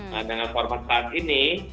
nah dengan format saat ini